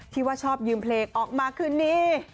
ที่ว่าชอบยืมเพลงออกมาคืนนี้